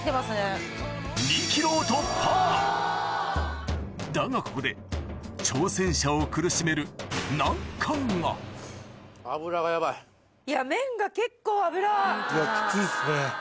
２ｋｇを突破だがここで挑戦者を苦しめるきついっすね。